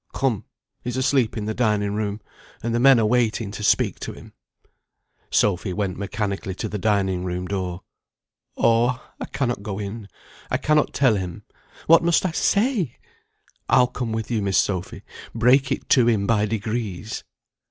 Come, he's asleep in the dining room, and the men are waiting to speak to him." Sophy went mechanically to the dining room door. "Oh! I cannot go in. I cannot tell him. What must I say?" "I'll come with you, Miss Sophy. Break it to him by degrees."